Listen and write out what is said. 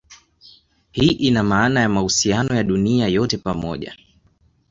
Hii ina maana ya mahusiano ya dunia yote pamoja.